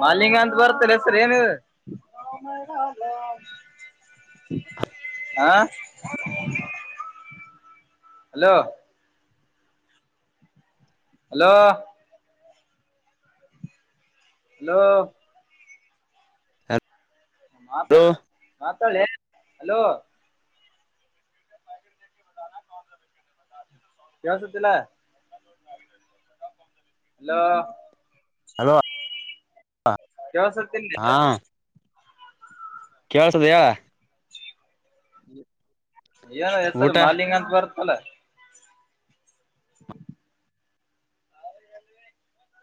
ಮಾಾಲಿಕಂತ ಬರ್ತಾರೆ ಹೆಸರಿ ಏನ ಹಾ ಹಲೋ ಹಲೋ ಹಲೋ ಮಾತಾ ಹಲೋ ಮಾತಾಳೆ ಹಲೋ ಕೇಳಿಸ್ತಿಲ್ಲ ತಿಲ ಹಲೋ ಹಲೋ ಕೇಳ್ತಾ ಇಲ್ಲ ಕೇಳಳ್ಸದಯಾ ಹೇಳ ಏನ ಹೆಸರು ಊಟ ಮಾಲಿಂಗ ಅಂತ ಬರ್ತ್ತಲ್ಲ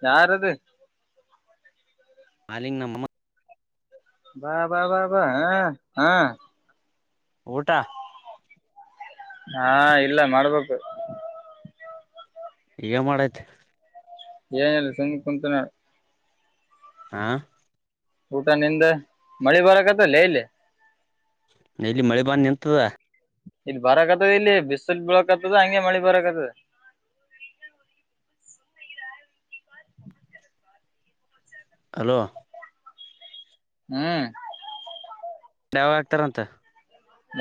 ಯಾರದ ಮಾಲಿಂಗ್ ನಮ್ಮ ಬಾ ಬಾ ಬ ಬಾ ಹ ಹಾ ಊಟ ಹಾ ಇಲ್ಲ ಮಾಡ್ಬೇಕು ಏನ್ ಮಾಡೈತಿ ಏನಲ್ಲ ಸುಮ ಕುಂತು ನ ಹಾ ಊಟ ನಿದ ಮಳಿ ಬರಕತ್ತಲ್ಲ ಇಲ್ಲಿ ನ ಇಲ್ಲಿ ಮಳೆ ಬಾರಿ ನಿಂತದ ಇಲ್ಲಿ ಬರಕ್ತದೆ ಇಲ್ಲಿ ಬಿಸ್ಲ್ ಬಿಳಕ್ ಆತದ ಹಂಗೆ ಮಳಿ ಬರಕ್ತದ ಹಲೋ ಹ್ಮ್ ಯಾವಾಗ ಆಗ್ತಾರಂತ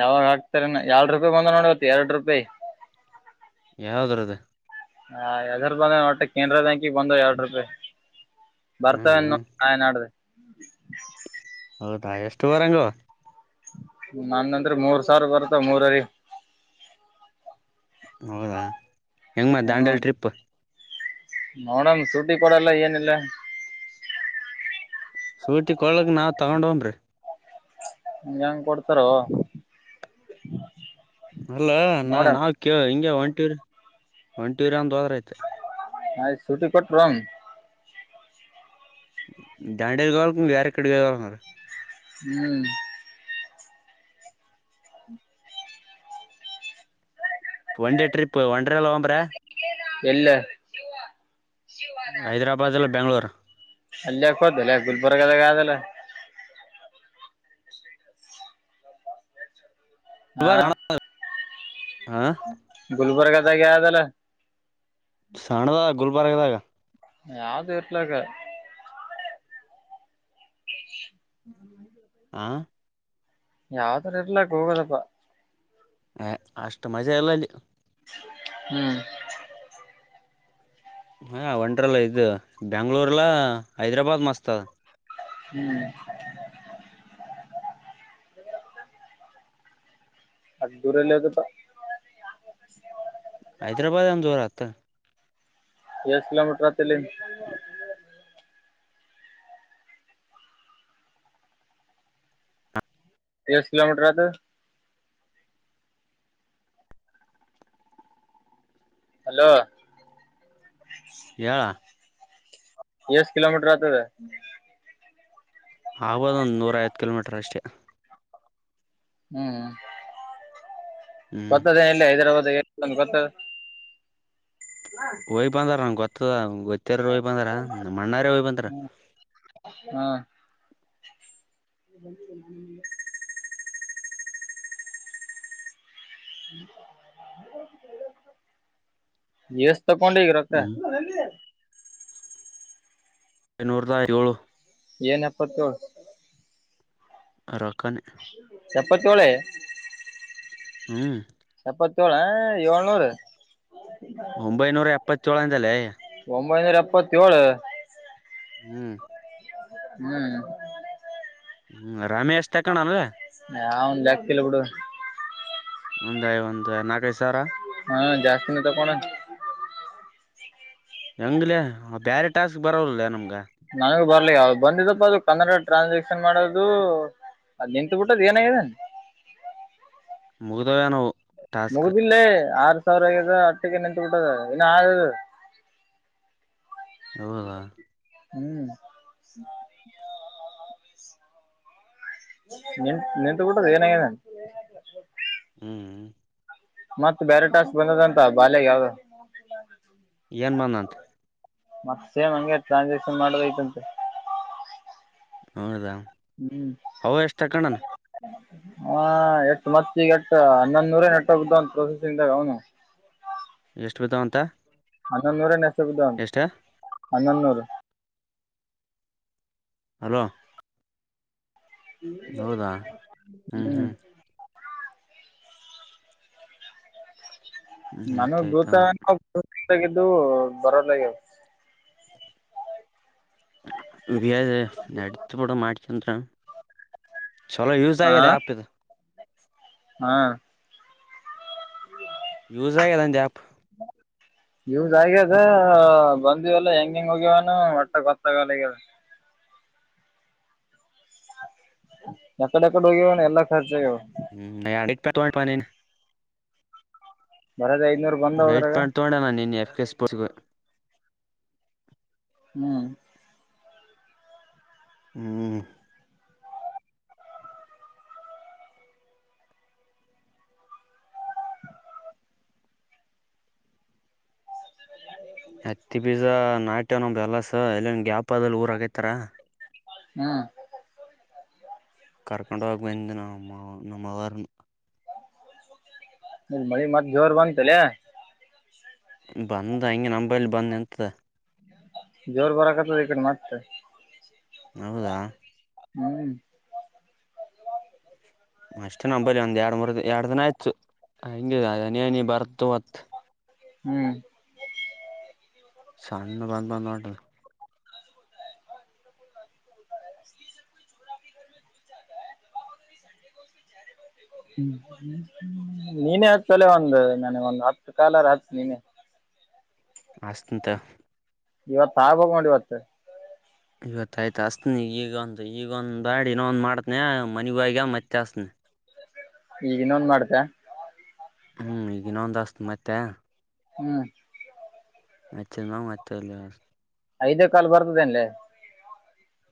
ಯಾವಾಗ ಹಕ್ತಾರ ಯ ಎರಡ್ ರೂಪಾಯಿ ಬಂದ ನೋಡಡ್ ಎರಡ್ ರೂಪಾಯಿ ಯಾವ್ದ್ರ ಅದ ಹ ಎದರು ಬಂದ ನಟ್ಟ ಕೇನರಾ ಬ್ಯಾಂಕಿಗೆ ಬಂದು ಎರಡ್ ರೂಪಾಯಿ ಬರ್ತವೆ ಹ್ಮ್ ಹಾ ನಾಡ್ದ ಹೌದಾ ಎಷ್ಟು ವರಂಗೋ ನಮಂದ್ರ ಮೂರ್ ಸಾವಿರ ಬರ್ತಾವ ಮೂರರಿ ಹೌದಾ ಹೆಂಗ ಮಾ ದಾಂಡಲ್ ಟ್ರಿಪ್ ನೋಡಮ ಶೂಟಿ ಕೊಡಲ್ಲ ಏನಿಲ್ಲ ಸೂಟಿ ಕೊ ಒಳಗೆ ನಾವು ತಗೊಂಡ್ ಹಂಬ ರೀ ಹಂಗೆ ಹೆಂಗ ಕೊಡ್ತಾರ ಅಲ್ಲ ನಾ ನೋಡಮ್ ನಾವವು ಕ ಹಿಂಗ ಒಂಟೂರಿ ಒಂಟಿರ ಅಂದ ಹೋದ್ರಐತೆ ನಾ್ ಸುಟಿ ಕೊಟ್ ರಂಗ್ ದಾಂಡೇದುಾಲಿಕೀ ಬೇರೆ ಎಡೆ ಕಾಗಾಲಲ್ಲ ಸಾರೆ ಹ್ಮ್ ಒನ್ ಟ್ರಿಪ್ ಒ ಡರ ಎಲ್ಲ ಹೋಗಂಬ್ರಾ ಎಲ್ಲ ಹೈದರಾಬಾದ್ ಅಲ್ಲ ಬೆಂಗ್ಳೂರು ಅಲ್ಲಯಕೋದಲ್ಲ ಗುಲ್ಬರ್ಗದಾಗ ಆದಲ್ಲ ಹಾ ಆ ಗುಲ್ಬರ್ಗ ಜಾಗ ಯದಲ್ಲ ಸಣ್ಣದ ಗುಲ್ಬರ್ಗದಾಗ ಯಾವ್ದು ಇಟ್ಲಕ್ಕ ಆಂ ಯಾವ್ದರ ಇರ್ಲಕ್ ಹೋಗೋದಪ್ಪ ಹ ಅಷ್ಟು ಮಜಾ ಇಲ್ಲ ಅಲ್ಲಿ ಹ್ಮ್ ಹಾಂ ಒಂಡರ್ಲ್ಲ ಇದು ಬೆಯಾಂಗ್ಳೂರ್ಲ್ಲ ಹೈದ್ರಾಬಾದ್ ಮಸ್ತ್ ಅ ಹ್ಮ್ ಅಷ್ಟು ದೂರ ಅದು ಹೈದ್ರಾಬಾದ್ ಅಂದ್ರ ದುರತನ ಎಷ್ಟು ಕಿಲೋಮೀಟರ್ ಅತ್ತ ಹ್ಮ ಎಷ್ಟ ಕಿಲೋಮೀಟರ್ ಅದು ಹಲೋ ಳ ಎಷ್ಟ ಕಿಲೋಮೀಟರ್ ಆತದೆ ಹ್ಮ್ ಆಗೋದು ಒಂದು ನೂರ ಐವತ್ತು ಕಿಲೋಮೀಟರ್ ಅಷ್ಟೇ ಹ್ಮ್ ಹ್ಮ್ ಗೊತ್ತದೇ ಇಲ್ಲಿ ಹೈದರಾಬಾದ್ ಗೊತ್ತ ಹ ಹಯ್ ಬಂದ್ರ ನ ಗೊತ್ತದ ಗೊತ್ತಾರ ಹಯ್ ಬಂದ್ರಮ್ಮ ಮಣ್ಣಾರೇ ಹಯ್ ಬಂದ್ರ ಹಾ ಹ ಹ್ಮ ದಸ್ ತ ಕಡಗ ರತ ಹ್ಮ್ [unintelligible] ಎನ್ನೂರಾಯಏಳು ಏನ್ ಎಪ್ಪತ್ತುೇಳ ರೊಕ್ಕನ ಚಪ್ಪಚ ಒಳ ಹ್ಮ ಎಪ್ಪತ್ತೇಳು ಏಳ್ನೂರು ಒಂಬೈನೂರ ಎಪ್ಪತ್ತೇಳ ಅಂದಲೇ ಒಂಬೈನೂರ ಎಪ್ಪತ್ತಏೇಳು ಹ್ಮ್ ಹ್ಮ್ ಹ್ಮ ರಮೇಶ್ ತಕಣ ಅ್ರ ನ್ ಲೆಕ್ತಿಲ್ಲ ಬಿಡು ಒಂದಾಯ್ ಒಂದ ನಾಲ್ಕೈದು ಸಾವರ ಹಾ ಜಾಸ್ತಿನ ತ ಕಣ ಹೆಂಗ್ಲೆ ಬ್ಯರೆ ಟಾಸ್ಕ್ ಬರೋಲ್ಲಿಲ್ಲ ನಮ್ಗ ನನಗ ಬರ್ಲಿ ಯಾವ್ದ ಬಂದಿದಪ್ಪ ಅದು ಕನ್ನಡ ಟ್ರಾನ್ಸಾಕ್ಷನ್ ಮಾಡೋದು ಅದು ನಿಂತತ್ ಬಿಟ್ಟದ್ ಏನಾಗಿದೇನೆ ಮುಗದವೇ ನೋವು ಮುಗುದಿಲ್ಲೇ ಆರ್ ಸಾವಿರ ಆಗದ ಅಟ್ಟಿಗೆ ನಿಂತುಬಿಟ್ಟದ ಇನ್ನು ಆದು ಹೌಲಾ ಹ್ಮ್ ಹ್ಮ ನಿಂತ್ು ನಿಂತು ಬಿಿಟ್ಟದ್ ಏನಾಗ ಹ್ಮ್ ಮತ್ತ ಬೇರೆ ಟಾಸ್ಕ್ ಬಂದದ ಅಂತ ಬಾಯ ಯಾವ್ದ ಾಗ ಯನ್ಮಾನತ್ ಮತ್ತ ಸೇಮ್ಂಂಗಗೆ ಟ್ರಾನ್ಸಾಕ್ಷನ್ ಮಾಡ್ ಯತಂತೆ ಹಾಞೂ ರಾಮ್ ಹ್ಮ್ ಹ ಎಟ್ಟು ಮತ್ತ ಈಗ ಎಟ್ಟ ಹನ್ನೊಂದು ನೂರೇ ನೆಟ್ವರ್ಕ್್ದ ಒಂದು ಪ್ರೊಸೆಸಿಂಗ್್ದಾಗ ಅವನು ಎಷ್ಟು ಬೇಕಾವ ಅಂತ ಹನ್ನೊಂದುೂರ ನೆಸಗ್ದನ್ ಹನ್ನೊಂದು ನೂರು ಹಲೋ ಹೌದಾ ಹ್ಮ್ ಹ್ಮ್ ಹ್ಮ್ ನನ ಆಯ್ತ ಆಯ್ತ ಭೂತಾಗಿದ್ದು ಬರಲ ಇದ ನಡತಪೂಡ ಮಾಡಟ ಚಂತರ ಚಲೋ ಯೂಸ್ ಹಾ ಆಗ್ಯಿದೆ ಆ್ಯಪ್ ಇದು ಹಾ ಯೂಸ್ ಆಗ ಅಾ ಎ ಆಪ್ ಯದ ಆಗ್ಯದ ಬಂದಿವವಲ್ಲ ಹೆಂಗ ಹೆಂಗ್ ಹೋಗ್ಯವಾನ ಮಟ್ಟೆ ಗೊತ್ತಾಗಲ್ಲ ಈಗ್ಯ ಯಕಡೆ ಅಕಡೆ ಹೋಗ್ಯವ ಎಲ್ಲಾ ಖರ್ಚಾಗ್ಯವ ಹ್ಮ್ ನ ಇ [inaudible] ನನ್ ಬರದ ಐನೂರು ನೈಟ್ ಪ್ಯಾಂಟ್ ತಗೋಣ ನೀನ್ ಎಫ್ ಕೆ ಸ್ಪೋರ್ಟ್ಸ್ ಹ್ಮ್ ಹ್ಮ್ ಹತ್ತಿ ಬೀಜ ನಾಟ್ಯವನೊಬ್ ಎಲ್ಲಸ ಎಲ್ಲಿನ್ ಗ್ಯಾಪ್ ಆದಲ್ಲಿ ಊರ್ ಆಗೈತಾರ ಹ್ಮ ಕರ್ಕೊಂಡ ಹೋಗಿ ಬಂದು ನಮ್ಮ ನಮ್ಮ ಅವರ್ ಇ ಮಳಿ ಮತ್ ಜೋರ್ ಬಂತಲ್ಲ ಲೇ ಬಂದ ಹಿಗೆ ನಂಬೈಲಿ ಬಂದು ನಿಂತದ ಜೋರ್ ಬರಕತ್ತದೆ ಈಕಡೆ ಮತ್ತೆ ಹೌದಾ ಹ್ಮ್ ಅಷ್ಟೇ ನಂಬಲಿ ಒಂದ್ ಎರಡು ಮೂರು ಎರಡು ದಿನ ಆಯ್ತು ಹಂಗಿದ ಅ ನೀ ನೀ ಬರ್ತ ಹೊತ್ ಹ್ಮ್ ಸಣ್ಣ ಬಾ ಬ ಮಾಡಟ ಹ್ಮ್ ನೀನೆೇ ಹತ್ಲೆ ಒಂದು ನನ ಒಂದು ಹತ್ತು ಕಾಲರ ಹತ್ ನೀನೇ ಹಸ್ಂತ ಇವತ್ತು ಆ ಆಗ್ಬೇಕು ನೋಡು ಇವತ್ತೆ ಇವತ್ತು ಆಯ್ತು ಅಸ್ತನಿ ಈಗಂದು ಈಗ ಒಂದು ಮಾಡಿ ಇನ್ನೊಂದು ಮಾಡ್ತನ ಮನೆಗೋಗ ಮತ್ ಹಚ್ಚತನ ಈಗ ಇನ್ನೊಂದ ಮಾಡ್ದೆ ಹ್ಮ್ ಈಗ ಇನ್ನೊಂದು ಹಸ್ತ್ ಮತ್ತೆ ಹ್ಮ್ ಹಚ್ಚದ ಮತಲ್ಲ ಐದೇ ಕಾಲ್ ಬರ್ತದ ಅನ್ಲೆ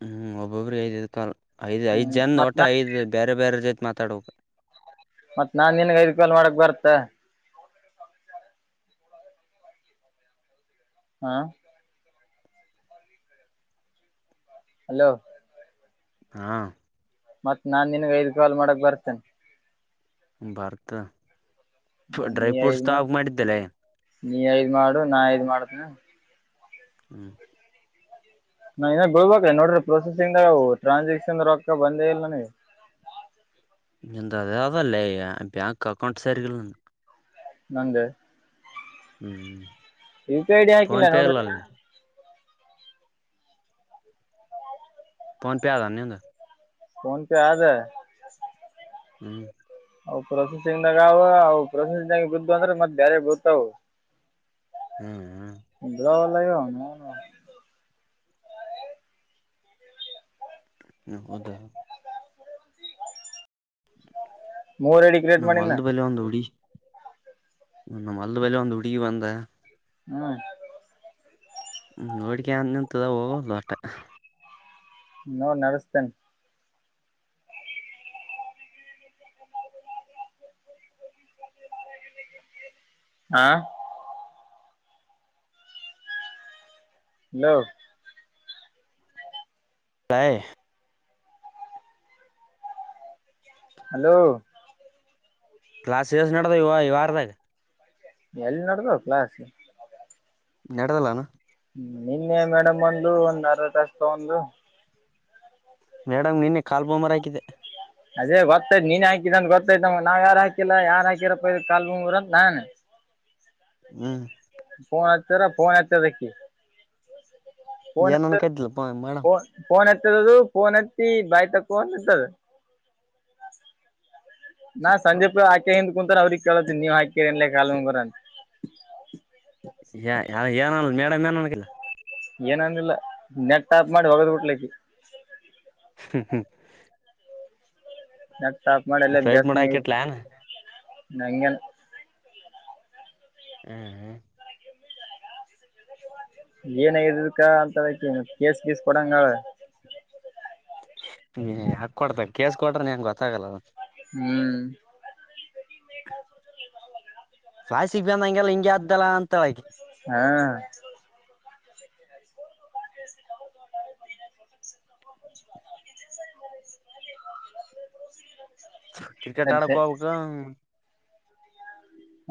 ಹ್ಮ್ ಒಬ್ಬೊಬ್ಬರು ಐದ ಇರ್ತ ಐದ ಐದ್ ಹ್ಮ್ ಜನ್ ಮತ್ ಒಟ್ಟಟ ನಾ ಐದ್ ಬೇರೆ ಬೇರೆ ಜತೆ ಮಾತಾಡಬೇಕ ಮತ್ ನಾನ್ ನಿನ್ಗ ಐದು ಕಾಲ್ ಮಾಡಕ್ ಬರತ್ತ ಹಾ ಹಲೋ ಹಾಂ ಮತ್ತತ್ ನಾನ್ ನಿನ್ಗೆ ಐದ್ ಕಾಲ್ ಮಾಡಕ್ ಬರ್ತ. ಬರ್ತಾ ಡ್ರೈ ನೀ ಫ್ರೂಟ್ಸ್ ಐದು ತಗೋಬೇಕು ಮಾಡು ಅಂತ ಮಾಡಿದ್ದೇಲ ನೀ ಐದ್ ಮಾಡು ನಾ ಐದ್ ಮಾಡತನ. ಹ್ಮ್ ನಾನ್ ಇನಾಗ ಗೊಳ್ಬೇಕ ನೋಡ್ರಿ ಪ್ರೊಸೆಸಿಂಗ್ಗ ಟ್ರಾನ್ಸಾಕ್ಷನ್ ರೊಕ್ಕ ಬಂದೇ ಇಲ್ಲ ನನಗೆ. ನಿಂದು ಅದಾವದಲ್ಲೇ ಬ್ಯಾಂಕ್ ಅಕೌಂಟ್ ಸರಿಗಿಲ್ಲ ನಗೆ ನಂದೇ ಹ್ಮ್ ಹ್ಮ ಯು ಪ ಡಿ ಹಾಕಿಲ್ಲ ನೋಡ ರಿ ಫೋನ್ ಪೇ ಆದ ಏನು ನಿಂದು. ಫೋನ್ ಪೆ ಆಗ. ಹ್ಮ್ ಅವು ಪ್ರೊಸೆಸಿಂಗ್ ದಾಗ ಅವು ಪ್ರೊಸೆಸಿಂಗ್ ಬಿದ್ದು ಅಂದ್ರೆ ಮತ್ತೆ ಬೇರೆ ಗೊತ್ತವು. ಹ್ಮ್ ಹ್ಮ ಬಿಳವಲ್ಲಾಗೆವ ಅವನೌನು ಹೌದ್ ಮೂರಡಿ ನಮ್ಮ್ ಹೊಲ್ದ ಬಲೆ ಒಂದ್ ಹುಡಿ ನಮ್ಮ ಹೊಲ್ದ ಬಲೆ ಒಂದ್ ಹುಡಿಗಿ ಬಂದದ್ ಹ್ಮ್ ನೋಡ್ಕೆಂತ ನಿಂತದ ಹೋಗೋವಲ್ಲದ ಒಟ್ಟ್ ನೋಡ್ ನಡಸ್ತೇನ್ ಹಾ ಹಲೋ ಪ್ಯಾಯೆ ಹಲೋ ಕ್ಲಾಸ್ಸೇಸ್ ನಡ್ದವ ಇ ವಾರದಾಗ ಎಲ್ಲ ನಡ್ದಾವ ಕ್ಲಾಸ್ ನಡದಿಲ್ಲನ್ ನಿನ್ನೆ ಮೇಡಮ್ ಬಂದಲು ಒಂದ್ ಅರ್ಧ ತಾಸ್ ತೊಂಡಲು ಮೇಡಮ್ ನಿನ್ನೆ ಕಾಲ್ ಬೊಮ್ಮರ ಹಾಕಿದೆ ಅದೇ ಗೊತ್ತೈತ್ ನೀನೆ ಹಾಕಿದಂತ ಗೊತ್ತೈತ ನಮ್ಮಗ್ ನಾವ್ ಯಾರ ಹಾಕಿಲ್ಲ ಯಾರ್ ಹಾಕರಪ್ಪಯ ಇದು ಕಾಲ್ ಬೊಮ್ಮರ ಅಂತ ನಾನ್ ಹ್ಮ ಪೋನ್ ಹಚ್ಚಿರ ಪೋನ್ ಹೆತದಕಿ ಫೋನ್ ಏನ್ [unintelligible] ಅನ್ಕತಿಲಪ್ಪ ಮೇಡಮ್. ಫೋನ್ ಫೋನ್ ಹೆತ್ತದದು ಫೋನ್ ಹೆತ್ತಿ ಬಾಯ್ ತೆಕೋಂದ್ ನಿಂತದ್ ನಾ ಸಂದಿಪ ಆಕೆ ಹಿಂದ್ ಕುಂತರ ಅವ್ರಿಗ ಕೇಳತಿನಿ ನೀವ ಹಾಕಿರ್ ಎನ್ಲೇ ಕಾಲುಂಗರಂತ್ ಯೆ ಏನ ಮೇಡಂ ಏನ್ ಅನಕಿಲ್ಲ ಏನ ಅನ್ಲಿಲ್ಲ ನೆಟ್ ಆಪ್ ಮಾಡಿ ಹೊಗದ್ ಬಿಟ್ಲಕ್ಕಿ ಹ್ಮ್ ಹ್ಮ್ ನೆಟ್ ಆಪ್ ಮಾಡಿ ಅಲ್ಲೆ ಫ್ಲೈಟ್ ಬೇಸಿಕ್ ಮಾಡ ಮ್ಯಾಲೆ ಹಾಕಿಟ್ಲಾನ. ಇತ್ತ ನಂಗೆನ್ ಹ್ಮ್ ಹ್ಮ್ ಏನ್ ಆಗ್ಯಾದ ಇದಕ್ಕ ಅಂತಾಳಕ್ಕಿ ಕೇಸ್ ಗೀಸ್ ಕೊಡಂಗಾಳ ಏ ಯಾಕ್ ಕೊಡ್ತಳ ಕೇಸ್ ಕೊಟ್ರನ ಏನ್ ಗೊತ್ತಾಗ್ಲಲ್ಲ ಹ್ಮ್ ಕ್ಲಾಸಿಗ್ ಬಂದಂಗೆಲ್ಲ ಹಿಂಗೆ ಆತದ್ದಲ್ಲ ಅಂತಾಳಕಿ ಹಾ ಸರಿ ಕ್ರಿಕೆಟ್ ಸರಿ ಆಡಕ್ ಹೋಬಕ್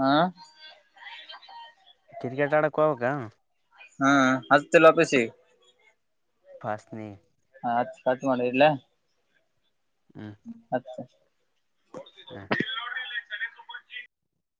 ಹಾ ಕ್ರಿಕೆಟ್ ಆಡಕೋಬೇಕ್ಕನ್ ಹಾ ಹಚ್ಚತ್ತಿಲ್ಲ ವಾಪಸಿಗ ಪಾ ಅಸ್ನಿ ಹ ಹಚ್ಚಿ ಹಚ್ಚ [inaudible] ಇಡ್ಯಲಾ ಹ್ಮ [inaudible] ಹ್ಮ್